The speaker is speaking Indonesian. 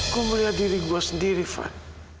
gua melihat diri gua sendiri van